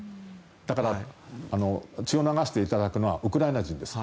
だから、血を流していただくのはウクライナ人です。